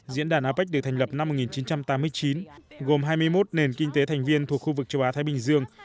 diễn đàn apec được thành lập năm một nghìn chín trăm tám mươi chín gồm hai mươi một nền kinh tế thành viên thuộc khu vực châu á thái bình dương